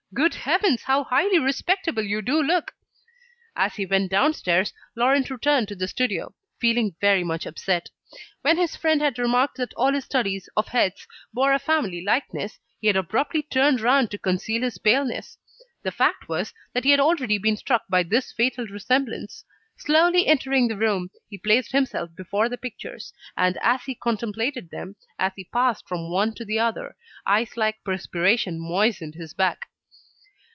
Good heavens! How highly respectable you do look!" As he went downstairs, Laurent returned to the studio, feeling very much upset. When his friend had remarked that all his studies of heads bore a family likeness, he had abruptly turned round to conceal his paleness. The fact was that he had already been struck by this fatal resemblance. Slowly entering the room, he placed himself before the pictures, and as he contemplated them, as he passed from one to the other, ice like perspiration moistened his back.